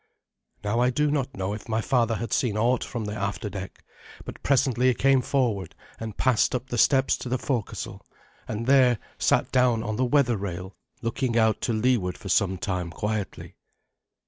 Now I do not know if my father had seen aught from the after deck, but presently he came forward, and passed up the steps to the forecastle, and there sat down on the weather rail, looking out to leeward for some time quietly.